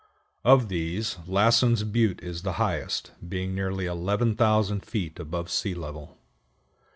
Of these, Lassen's Butte is the highest, being nearly 11,000 feet above sea level.